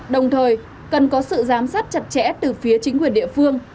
đồng thời cần có sự giám sát chặt chẽ từ phía chính quyền địa phương